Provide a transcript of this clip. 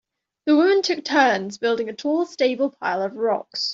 The women took turns building a tall stable pile of rocks.